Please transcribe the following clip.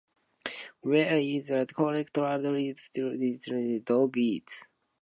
"Well" is the correct adverb to describe how the dog eats.